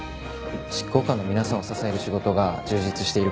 執行官の皆さんを支える仕事が充実しているから。